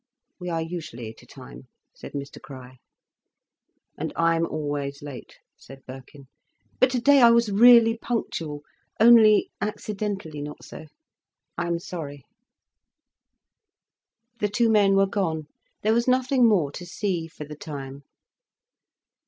"We are usually to time," said Mr Crich. "And I'm always late," said Birkin. "But today I was really punctual, only accidentally not so. I'm sorry." The two men were gone, there was nothing more to see, for the time.